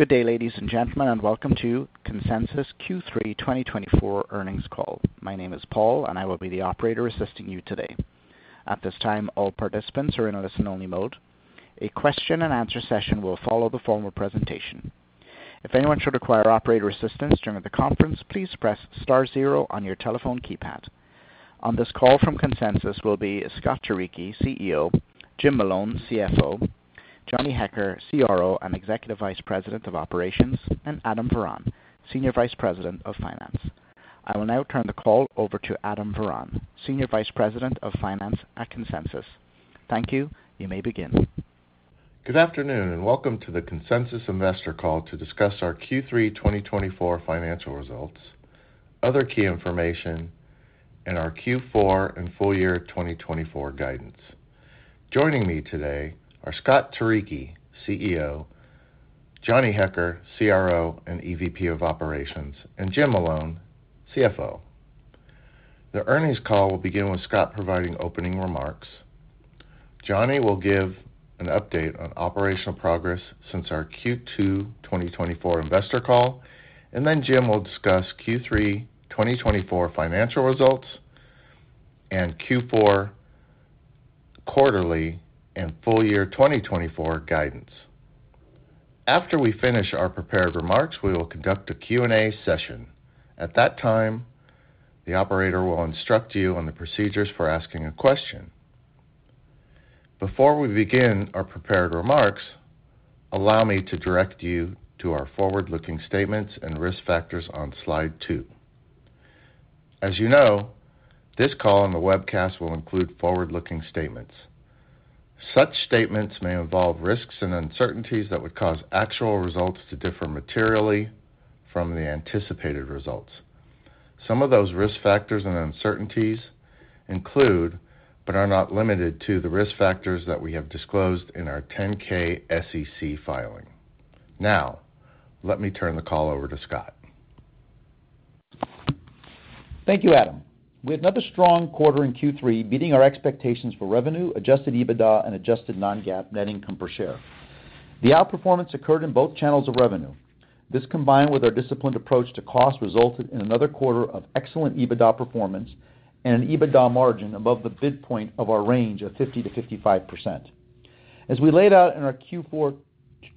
Good day, ladies and gentlemen, and welcome to Consensus Q3 2024 earnings call. My name is Paul, and I will be the operator assisting you today. At this time, all participants are in listen-only mode. A question-and-answer session will follow the formal presentation. If anyone should require operator assistance during the conference, please press star zero on your telephone keypad. On this call from Consensus will be Scott Turicchi, CEO; Jim Malone, CFO; Johnny Hecker, CRO and Executive Vice President of Operations; and Adam Varon, Senior Vice President of Finance. I will now turn the call over to Adam Varon, Senior Vice President of Finance at Consensus. Thank you. You may begin. Good afternoon, and welcome to the Consensus Investor Call to discuss our Q3 2024 financial results, other key information, and our Q4 and full year 2024 guidance. Joining me today are Scott Turicchi, CEO; Johnny Hecker, CRO and EVP of Operations; and Jim Malone, CFO. The earnings call will begin with Scott providing opening remarks. Johnny will give an update on operational progress since our Q2 2024 investor call, and then Jim will discuss Q3 2024 financial results and Q4 quarterly and full year 2024 guidance. After we finish our prepared remarks, we will conduct a Q&A session. At that time, the operator will instruct you on the procedures for asking a question. Before we begin our prepared remarks, allow me to direct you to our forward-looking statements and risk factors on slide two. As you know, this call and the webcast will include forward-looking statements. Such statements may involve risks and uncertainties that would cause actual results to differ materially from the anticipated results. Some of those risk factors and uncertainties include, but are not limited to, the risk factors that we have disclosed in our 10-K SEC filing. Now, let me turn the call over to Scott. Thank you, Adam. We had another strong quarter in Q3, beating our expectations for revenue, Adjusted EBITDA, and Adjusted non-GAAP net income per share. The outperformance occurred in both channels of revenue. This, combined with our disciplined approach to cost, resulted in another quarter of excellent EBITDA performance and an EBITDA margin above the midpoint of our range of 50%-55%. As we laid out in our Q4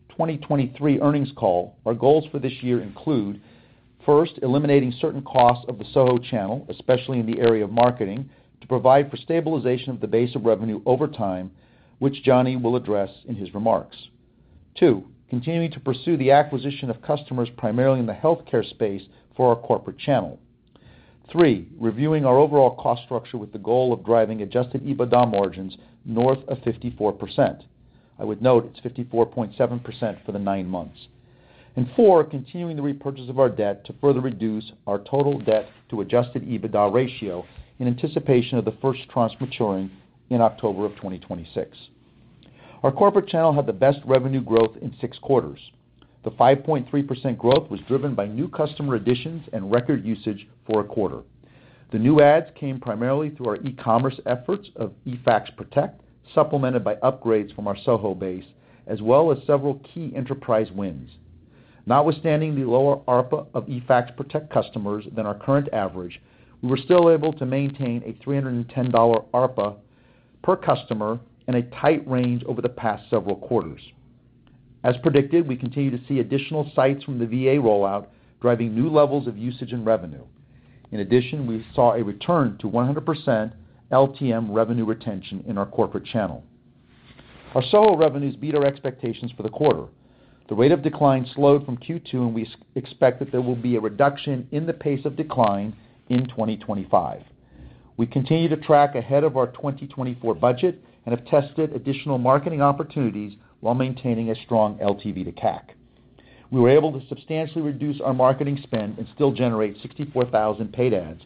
2023 earnings call, our goals for this year include, first, eliminating certain costs of the SoHo channel, especially in the area of marketing, to provide for stabilization of the base of revenue over time, which Johnny will address in his remarks. Two, continuing to pursue the acquisition of customers primarily in the healthcare space for our corporate channel. Three, reviewing our overall cost structure with the goal of driving Adjusted EBITDA margins north of 54%. I would note it's 54.7% for the nine months. And four, continuing the repurchase of our debt to further reduce our total debt to Adjusted EBITDA ratio in anticipation of the first tranche maturing in October of 2026. Our corporate channel had the best revenue growth in six quarters. The 5.3% growth was driven by new customer additions and record usage for a quarter. The new adds came primarily through our e-commerce efforts of eFax Protect, supplemented by upgrades from our SoHo base, as well as several key enterprise wins. Notwithstanding the lower ARPA of eFax Protect customers than our current average, we were still able to maintain a $310 ARPA per customer and a tight range over the past several quarters. As predicted, we continue to see additional sites from the VA rollout driving new levels of usage and revenue. In addition, we saw a return to 100% LTM revenue retention in our corporate channel. Our SoHo revenues beat our expectations for the quarter. The rate of decline slowed from Q2, and we expect that there will be a reduction in the pace of decline in 2025. We continue to track ahead of our 2024 budget and have tested additional marketing opportunities while maintaining a strong LTV to CAC. We were able to substantially reduce our marketing spend and still generate 64,000 paid adds,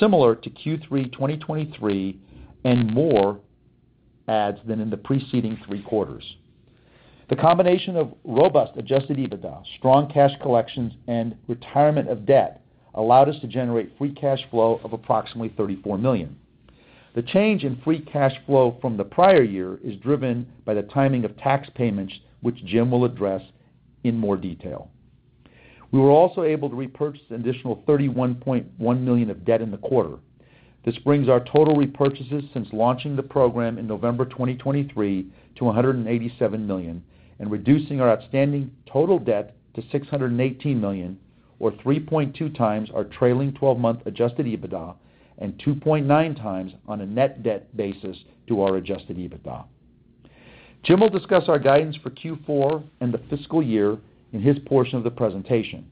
similar to Q3 2023 and more adds than in the preceding three quarters. The combination of robust Adjusted EBITDA, strong cash collections, and retirement of debt allowed us to generate Free Cash Flow of approximately $34 million. The change in Free Cash Flow from the prior year is driven by the timing of tax payments, which Jim will address in more detail. We were also able to repurchase an additional $31.1 million of debt in the quarter. This brings our total repurchases since launching the program in November 2023 to $187 million and reducing our outstanding total debt to $618 million, or 3.2 times our trailing 12-month Adjusted EBITDA and 2.9 times on a net debt basis to our Adjusted EBITDA. Jim will discuss our guidance for Q4 and the fiscal year in his portion of the presentation.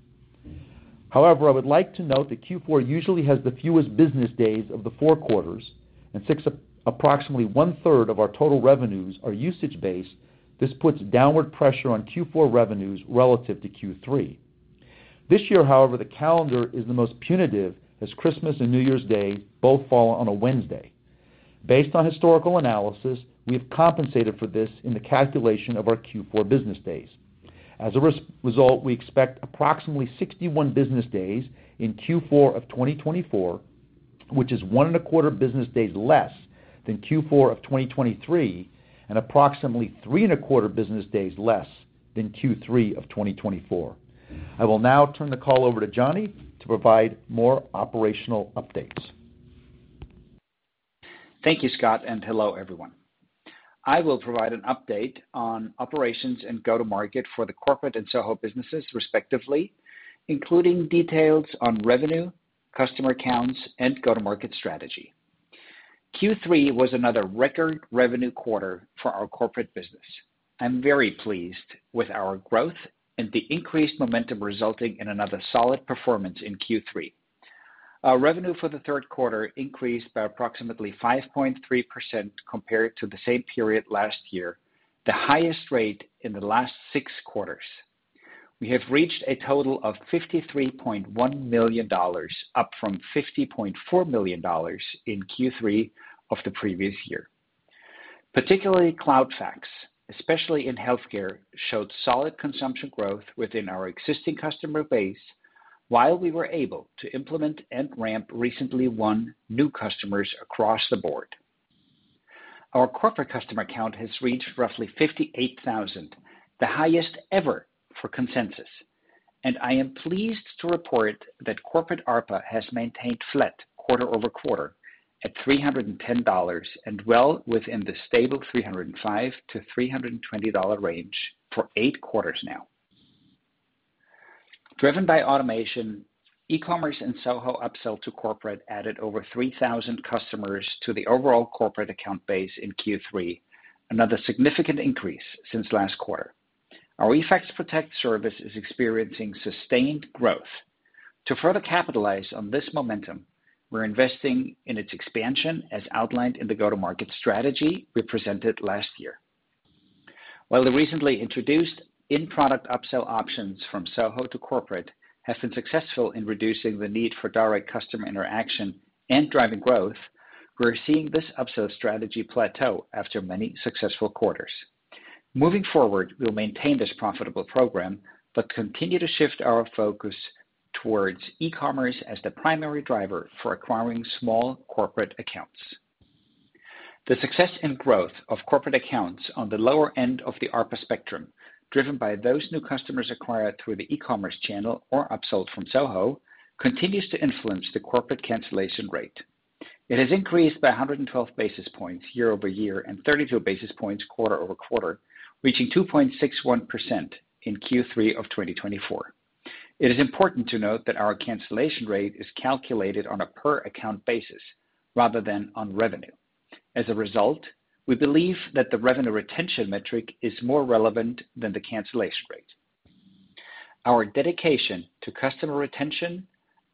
However, I would like to note that Q4 usually has the fewest business days of the four quarters, and since approximately one-third of our total revenues are usage-based, this puts downward pressure on Q4 revenues relative to Q3. This year, however, the calendar is the most punitive as Christmas and New Year's Day both fall on a Wednesday. Based on historical analysis, we have compensated for this in the calculation of our Q4 business days. As a result, we expect approximately 61 business days in Q4 of 2024, which is one and a quarter business days less than Q4 of 2023 and approximately three and a quarter business days less than Q3 of 2024. I will now turn the call over to Johnny to provide more operational updates. Thank you, Scott, and hello, everyone. I will provide an update on operations and go-to-market for the corporate and SoHo businesses, respectively, including details on revenue, customer counts, and go-to-market strategy. Q3 was another record revenue quarter for our corporate business. I'm very pleased with our growth and the increased momentum resulting in another solid performance in Q3. Our revenue for the third quarter increased by approximately 5.3% compared to the same period last year, the highest rate in the last six quarters. We have reached a total of $53.1 million, up from $50.4 million in Q3 of the previous year. Particularly, Cloud Fax, especially in healthcare, showed solid consumption growth within our existing customer base while we were able to implement and ramp recently won new customers across the board. Our corporate customer count has reached roughly 58,000, the highest ever for Consensus, and I am pleased to report that corporate ARPA has maintained flat quarter over quarter at $310 and well within the stable $305-$320 range for eight quarters now. Driven by automation, e-commerce and SoHo upsell to corporate added over 3,000 customers to the overall corporate account base in Q3, another significant increase since last quarter. Our eFax Protect service is experiencing sustained growth. To further capitalize on this momentum, we're investing in its expansion as outlined in the go-to-market strategy we presented last year. While the recently introduced in-product upsell options from SoHo to corporate have been successful in reducing the need for direct customer interaction and driving growth, we're seeing this upsell strategy plateau after many successful quarters. Moving forward, we'll maintain this profitable program but continue to shift our focus towards e-commerce as the primary driver for acquiring small corporate accounts. The success and growth of corporate accounts on the lower end of the ARPA spectrum, driven by those new customers acquired through the e-commerce channel or upsold from SoHo, continues to influence the corporate cancellation rate. It has increased by 112 basis points year over year and 32 basis points quarter over quarter, reaching 2.61% in Q3 of 2024. It is important to note that our cancellation rate is calculated on a per-account basis rather than on revenue. As a result, we believe that the revenue retention metric is more relevant than the cancellation rate. Our dedication to customer retention,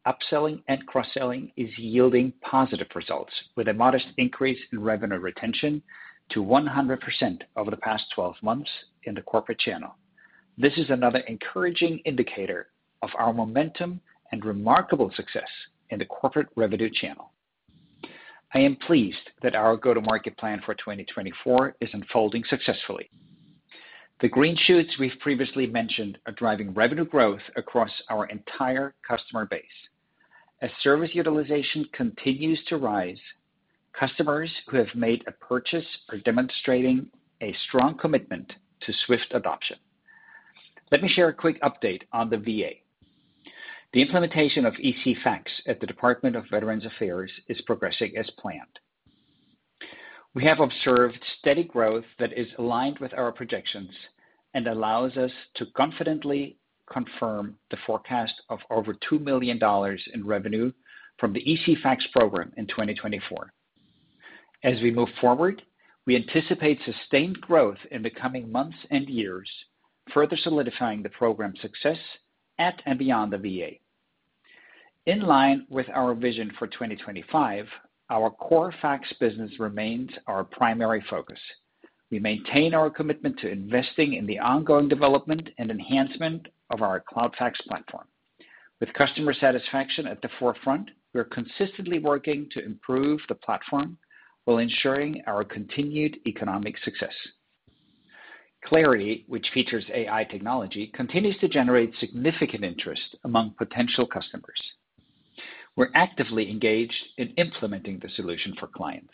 upselling, and cross-selling is yielding positive results, with a modest increase in revenue retention to 100% over the past 12 months in the corporate channel. This is another encouraging indicator of our momentum and remarkable success in the corporate revenue channel. I am pleased that our go-to-market plan for 2024 is unfolding successfully. The green shoots we've previously mentioned are driving revenue growth across our entire customer base. As service utilization continues to rise, customers who have made a purchase are demonstrating a strong commitment to swift adoption. Let me share a quick update on the VA. The implementation of ECFax at the Department of Veterans Affairs is progressing as planned. We have observed steady growth that is aligned with our projections and allows us to confidently confirm the forecast of over $2 million in revenue from the ECFax program in 2024. As we move forward, we anticipate sustained growth in the coming months and years, further solidifying the program's success at and beyond the VA. In line with our vision for 2025, our core fax business remains our primary focus. We maintain our commitment to investing in the ongoing development and enhancement of our Cloud Fax platform. With customer satisfaction at the forefront, we're consistently working to improve the platform while ensuring our continued economic success. Clarity, which features AI technology, continues to generate significant interest among potential customers. We're actively engaged in implementing the solution for clients.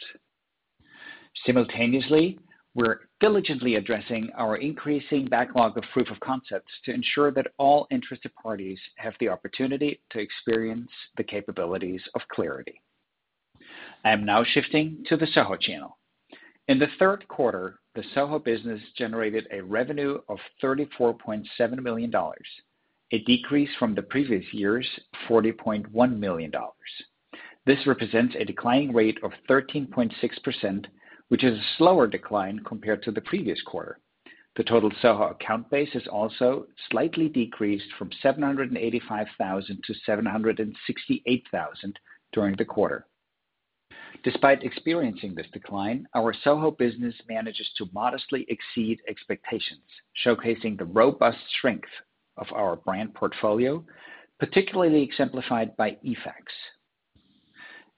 Simultaneously, we're diligently addressing our increasing backlog of proof of concepts to ensure that all interested parties have the opportunity to experience the capabilities of Clarity. I am now shifting to the SoHo channel. In the third quarter, the SoHo business generated a revenue of $34.7 million, a decrease from the previous year's $40.1 million. This represents a declining rate of 13.6%, which is a slower decline compared to the previous quarter. The total SoHo account base has also slightly decreased from 785,000 to 768,000 during the quarter. Despite experiencing this decline, our SoHo business manages to modestly exceed expectations, showcasing the robust strength of our brand portfolio, particularly exemplified by eFax.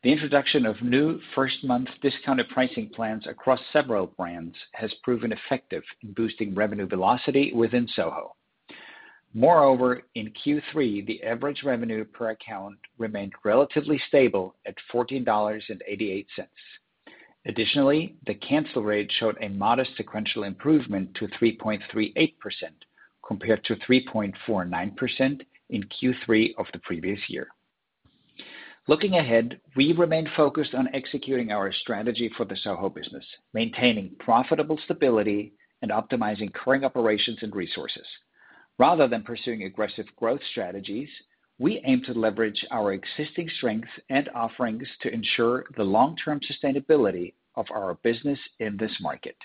The introduction of new first-month discounted pricing plans across several brands has proven effective in boosting revenue velocity within SoHo. Moreover, in Q3, the average revenue per account remained relatively stable at $14.88. Additionally, the cancel rate showed a modest sequential improvement to 3.38% compared to 3.49% in Q3 of the previous year. Looking ahead, we remain focused on executing our strategy for the SoHo business, maintaining profitable stability and optimizing current operations and resources. Rather than pursuing aggressive growth strategies, we aim to leverage our existing strengths and offerings to ensure the long-term sustainability of our business in this market.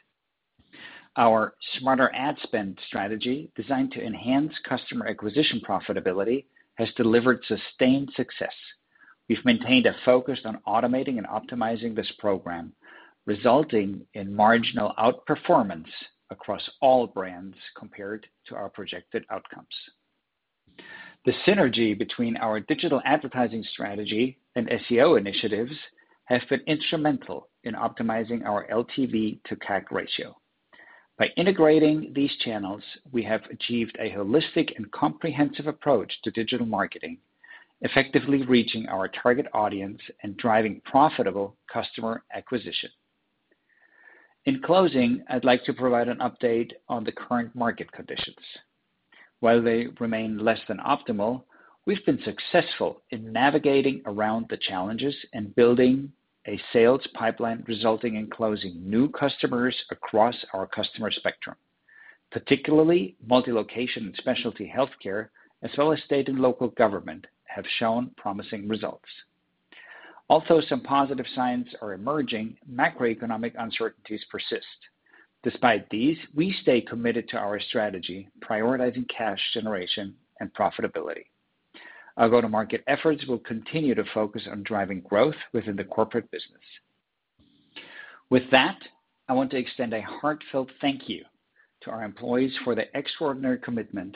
Our smarter ad spend strategy, designed to enhance customer acquisition profitability, has delivered sustained success. We've maintained a focus on automating and optimizing this program, resulting in marginal outperformance across all brands compared to our projected outcomes. The synergy between our digital advertising strategy and SEO initiatives has been instrumental in optimizing our LTV to CAC ratio. By integrating these channels, we have achieved a holistic and comprehensive approach to digital marketing, effectively reaching our target audience and driving profitable customer acquisition. In closing, I'd like to provide an update on the current market conditions. While they remain less than optimal, we've been successful in navigating around the challenges and building a sales pipeline, resulting in closing new customers across our customer spectrum. Particularly, multi-location and specialty healthcare, as well as state and local government, have shown promising results. Although some positive signs are emerging, macroeconomic uncertainties persist. Despite these, we stay committed to our strategy, prioritizing cash generation and profitability. Our go-to-market efforts will continue to focus on driving growth within the corporate business. With that, I want to extend a heartfelt thank you to our employees for their extraordinary commitment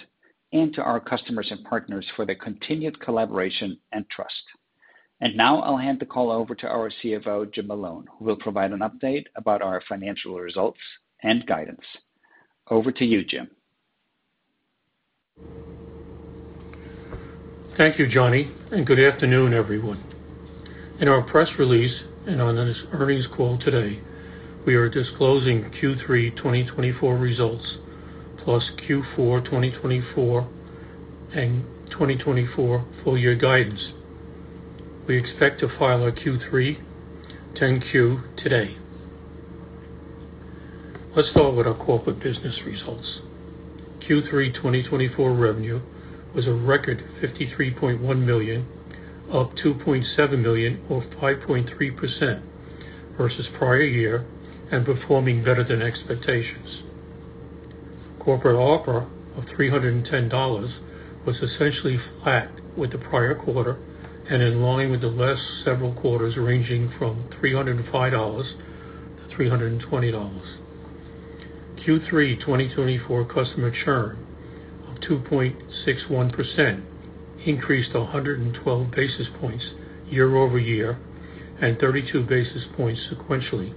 and to our customers and partners for their continued collaboration and trust. And now, I'll hand the call over to our CFO, Jim Malone, who will provide an update about our financial results and guidance. Over to you, Jim. Thank you, Johnny, and good afternoon, everyone. In our press release and on this earnings call today, we are disclosing Q3 2024 results plus Q4 2024 and 2024 full-year guidance. We expect to file our Q3 10-Q today. Let's start with our corporate business results. Q3 2024 revenue was a record $53.1 million, up $2.7 million or 5.3% versus prior year, and performing better than expectations. Corporate ARPU of $310 was essentially flat with the prior quarter and in line with the last several quarters ranging from $305-$320. Q3 2024 customer churn of 2.61% increased 112 basis points year over year and 32 basis points sequentially,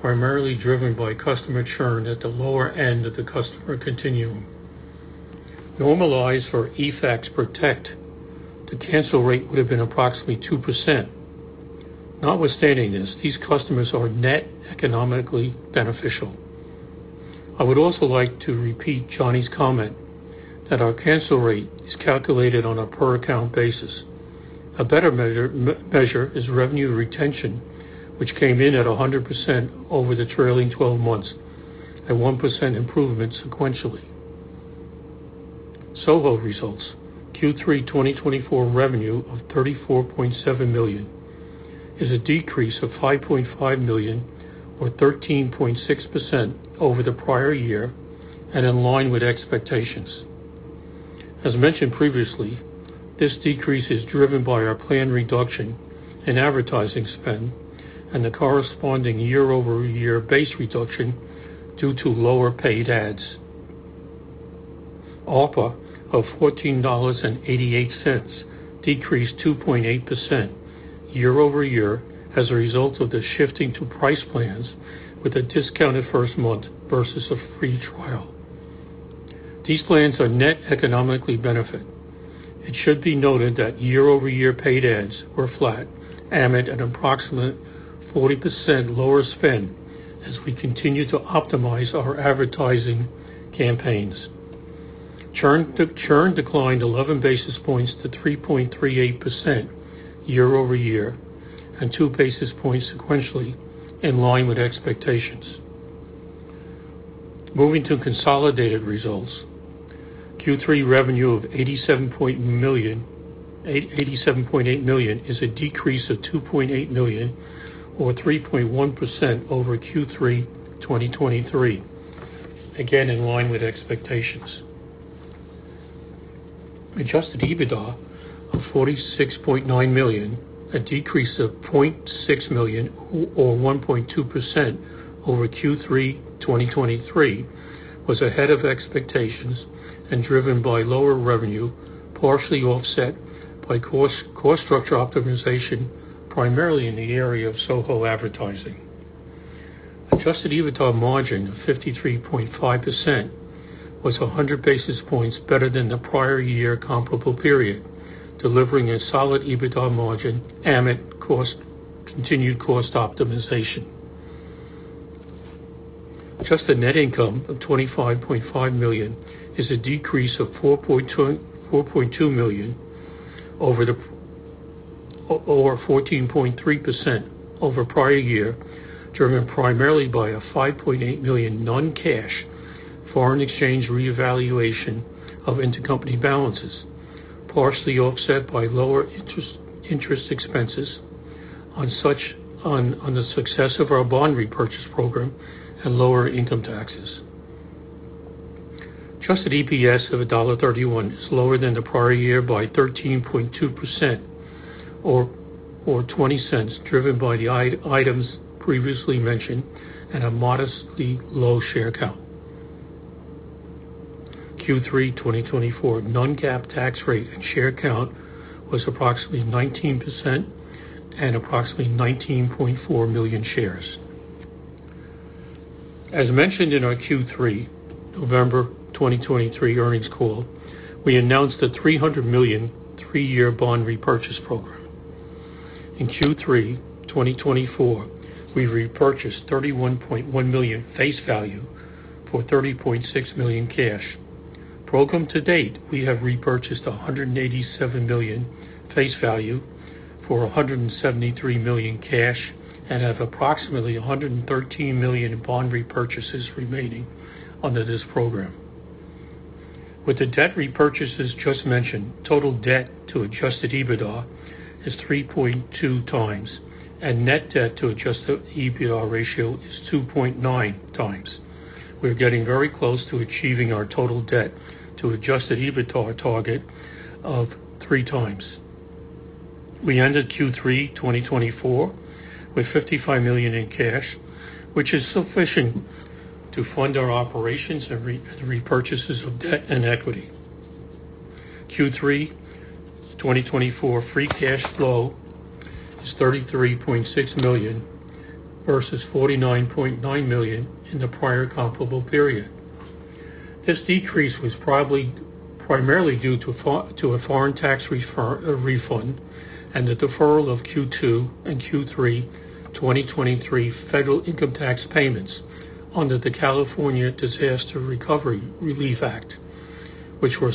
primarily driven by customer churn at the lower end of the customer continuum. Normalized for eFax Protect, the cancel rate would have been approximately 2%. Notwithstanding this, these customers are net economically beneficial. I would also like to repeat Johnny's comment that our cancel rate is calculated on a per-account basis. A better measure is revenue retention, which came in at 100% over the trailing 12 months, a 1% improvement sequentially. SoHo results, Q3 2024 revenue of $34.7 million is a decrease of $5.5 million or 13.6% over the prior year and in line with expectations. As mentioned previously, this decrease is driven by our planned reduction in advertising spend and the corresponding year-over-year base reduction due to lower paid ads. ARPA of $14.88 decreased 2.8% year-over-year as a result of the shifting to price plans with a discounted first month versus a free trial. These plans are a net economic benefit. It should be noted that year-over-year paid ads were flat, amid an approximate 40% lower spend as we continue to optimize our advertising campaigns. Churn declined 11 basis points to 3.38% year-over-year and 2 basis points sequentially in line with expectations. Moving to consolidated results, Q3 revenue of $87.8 million is a decrease of $2.8 million or 3.1% over Q3 2023, again in line with expectations. Adjusted EBITDA of $46.9 million, a decrease of $0.6 million or 1.2% over Q3 2023, was ahead of expectations and driven by lower revenue, partially offset by core structure optimization primarily in the area of SoHo advertising. Adjusted EBITDA margin of 53.5% was 100 basis points better than the prior year comparable period, delivering a solid EBITDA margin amid continued cost optimization. Adjusted net income of $25.5 million is a decrease of $4.2 million or 14.3% over prior year, driven primarily by a $5.8 million non-cash foreign exchange revaluation of intercompany balances, partially offset by lower interest expenses on the success of our bond repurchase program and lower income taxes. Adjusted EPS of $1.31 is lower than the prior year by 13.2% or $0.20, driven by the items previously mentioned and a modestly low share count. Q3 2024 non-GAAP tax rate and share count was approximately 19% and approximately 19.4 million shares. As mentioned in our Q3 November 2023 earnings call, we announced a $300 million three-year bond repurchase program. In Q3 2024, we repurchased $31.1 million face value for $30.6 million cash. Program to date, we have repurchased $187 million face value for $173 million cash and have approximately $113 million bond repurchases remaining under this program. With the debt repurchases just mentioned, total debt to adjusted EBITDA is 3.2 times, and net debt to adjusted EBITDA ratio is 2.9 times. We're getting very close to achieving our total debt to adjusted EBITDA target of 3 times. We ended Q3 2024 with $55 million in cash, which is sufficient to fund our operations and repurchases of debt and equity. Q3 2024 free cash flow is $33.6 million versus $49.9 million in the prior comparable period. This decrease was probably primarily due to a foreign tax refund and the deferral of Q2 and Q3 2023 federal income tax payments under the California Disaster Recovery Relief Act, which were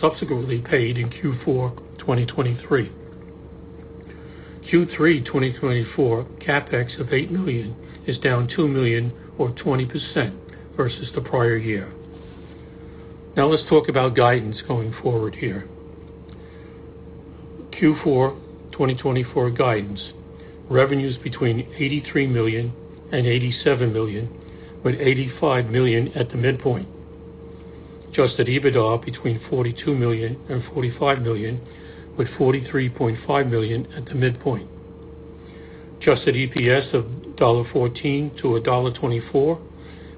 subsequently paid in Q4 2023. Q3 2024 CapEx of $8 million is down $2 million or 20% versus the prior year. Now, let's talk about guidance going forward here. Q4 2024 guidance, revenues between $83 million and $87 million, with $85 million at the midpoint. Adjusted EBITDA between $42 million and $45 million, with $43.5 million at the midpoint. Adjusted EPS of $1.00 to $1.24,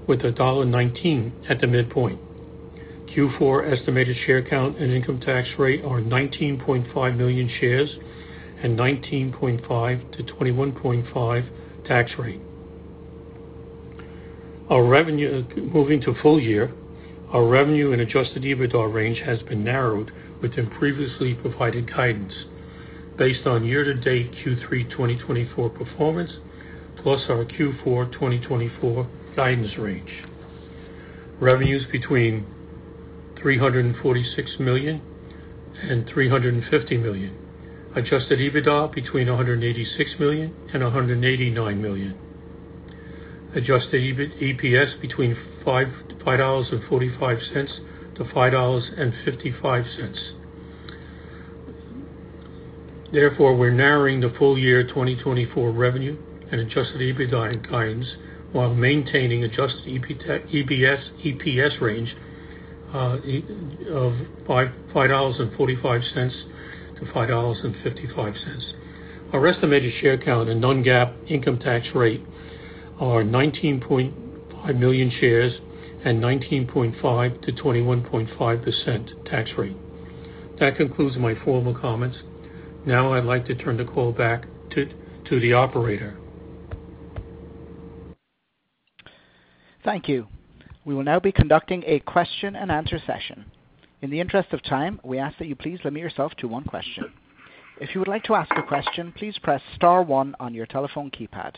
with $1.19 at the midpoint. Q4 estimated share count and income tax rate are 19.5 million shares and 19.5%-21.5% tax rate. Moving to full year, our revenue and adjusted EBITDA range has been narrowed within previously provided guidance based on year-to-date Q3 2024 performance plus our Q4 2024 guidance range. Revenues between $346 million and $350 million. Adjusted EBITDA between $186 million and $189 million. Adjusted EPS between $5.45 to $5.55. Therefore, we're narrowing the full year 2024 revenue and adjusted EBITDA guidance while maintaining adjusted EPS range of $5.45 to $5.55. Our estimated share count and non-GAAP income tax rate are 19.5 million shares and 19.5%-21.5% tax rate. That concludes my formal comments. Now, I'd like to turn the call back to the operator. Thank you. We will now be conducting a question-and-answer session. In the interest of time, we ask that you please limit yourself to one question. If you would like to ask a question, please press Star 1 on your telephone keypad.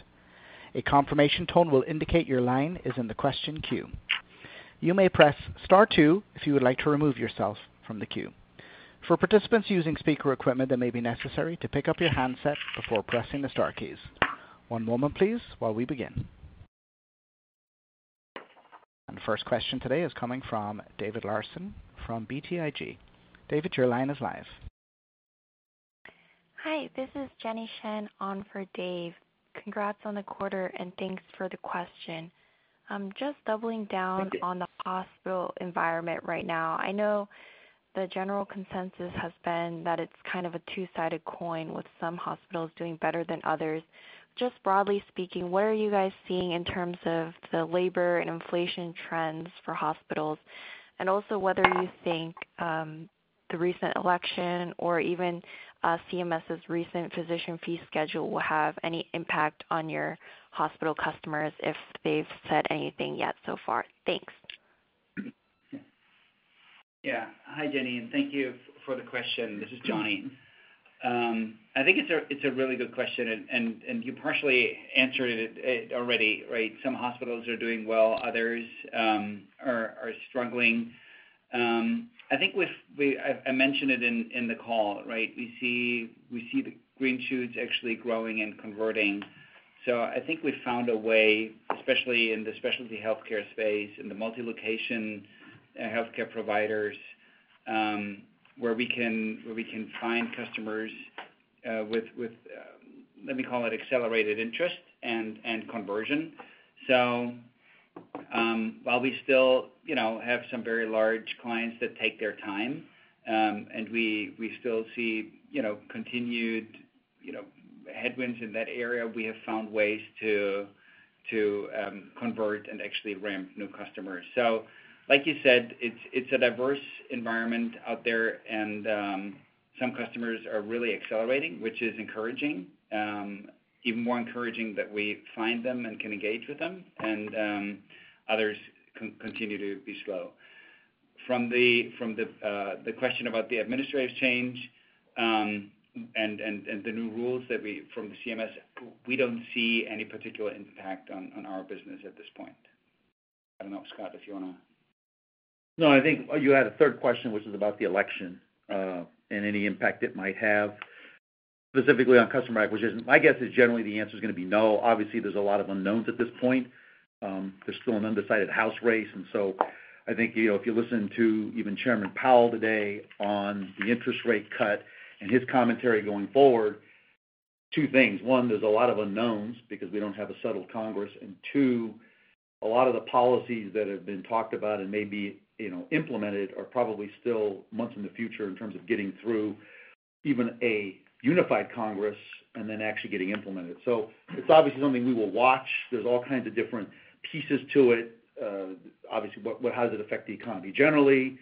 A confirmation tone will indicate your line is in the question queue. You may press Star 2 if you would like to remove yourself from the queue. For participants using speaker equipment, it may be necessary to pick up your handset before pressing the star keys. One moment, please, while we begin. The first question today is coming from David Larsen from BTIG. David, your line is live. Hi, this is Jenny Shen on for Dave. Congrats on the quarter and thanks for the question. I'm just doubling down on the hospital environment right now. I know the general consensus has been that it's kind of a two-sided coin with some hospitals doing better than others. Just broadly speaking, what are you guys seeing in terms of the labor and inflation trends for hospitals? And also whether you think the recent election or even CMS's recent Physician Fee Schedule will have any impact on your hospital customers if they've said anything yet so far. Thanks. Yeah. Hi, Jenny, and thank you for the question. This is Johnny. I think it's a really good question, and you partially answered it already, right? Some hospitals are doing well. Others are struggling. I think I mentioned it in the call, right? We see the green shoots actually growing and converting, so I think we found a way, especially in the specialty healthcare space, in the multi-location healthcare providers, where we can find customers with, let me call it, accelerated interest and conversion. So while we still have some very large clients that take their time and we still see continued headwinds in that area, we have found ways to convert and actually ramp new customers. So like you said, it's a diverse environment out there, and some customers are really accelerating, which is encouraging, even more encouraging that we find them and can engage with them, and others continue to be slow. From the question about the administrative change and the new rules from the CMS, we don't see any particular impact on our business at this point. I don't know, Scott, if you want to. No, I think you had a third question, which was about the election and any impact it might have specifically on customer acquisition. My guess is generally the answer is going to be no. Obviously, there's a lot of unknowns at this point. There's still an undecided House race. And so I think if you listen to even Chairman Powell today on the interest rate cut and his commentary going forward, two things. One, there's a lot of unknowns because we don't have a settled Congress. And two, a lot of the policies that have been talked about and may be implemented are probably still months in the future in terms of getting through even a unified Congress and then actually getting implemented. So it's obviously something we will watch. There's all kinds of different pieces to it. Obviously, how does it affect the economy? Generally,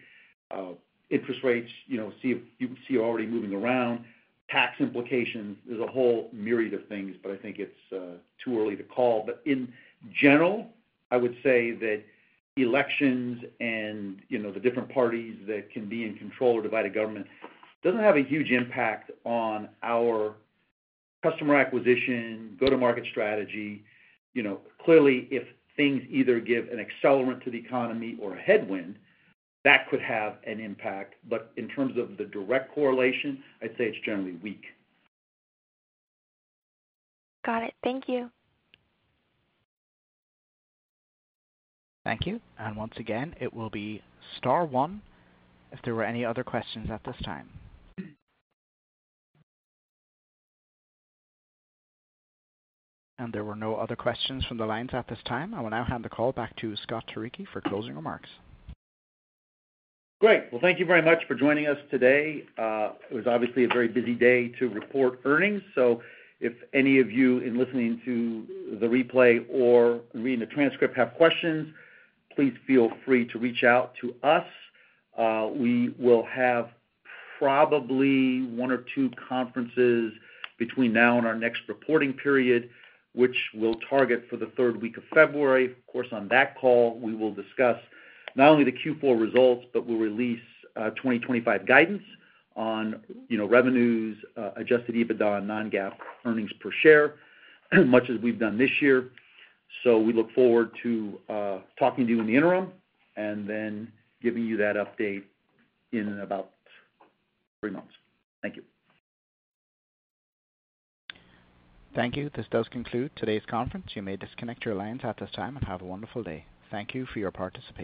interest rates, you see, already moving around, tax implications. There's a whole myriad of things, but I think it's too early to call, but in general, I would say that elections and the different parties that can be in control or divide a government doesn't have a huge impact on our customer acquisition, go-to-market strategy. Clearly, if things either give an accelerant to the economy or a headwind, that could have an impact, but in terms of the direct correlation, I'd say it's generally weak. Got it. Thank you. Thank you. And once again, it will be Star 1 if there were any other questions at this time. And there were no other questions from the lines at this time. I will now hand the call back to Scott Turicchi for closing remarks. Great. Well, thank you very much for joining us today. It was obviously a very busy day to report earnings. So if any of you, in listening to the replay or reading the transcript, have questions, please feel free to reach out to us. We will have probably one or two conferences between now and our next reporting period, which we'll target for the third week of February. Of course, on that call, we will discuss not only the Q4 results, but we'll release 2025 guidance on revenues, Adjusted EBITDA, and non-GAAP earnings per share, much as we've done this year. So we look forward to talking to you in the interim and then giving you that update in about three months. Thank you. Thank you. This does conclude today's conference. You may disconnect your lines at this time and have a wonderful day. Thank you for your participation.